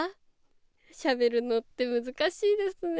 しゃべるのって難しいですね。